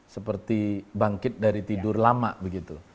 seperti bangkit dari tidur lama begitu